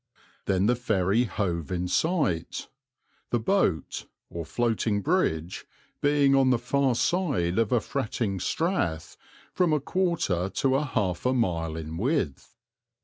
Then the ferry hove in sight, the boat, or floating bridge, being on the far side of a fretting strath from a quarter to half a mile in width.